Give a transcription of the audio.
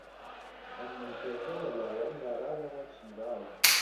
ئەم ملپێچە لەلایەن یارانەوە چنراوە.